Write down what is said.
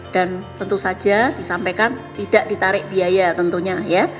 dan tentu saja disampaikan tidak ditarik biaya tentunya